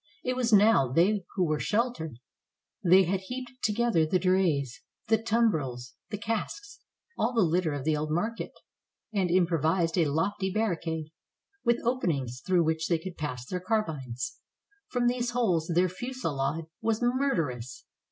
It was now they who were shel tered. They had heaped together the drays, the tum brels, the casks, all the litter of the old market, and improvised a lofty barricade, with openings through which they could pass their carbines. From these holes their fusillade was murderous.